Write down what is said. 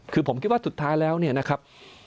คือผมคิดว่าสุดท้ายแล้วเนี่ยนะครับ